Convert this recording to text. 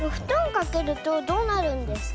かけるとどうなるんですか？